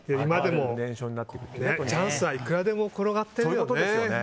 チャンスはいくらでも転がってるよね。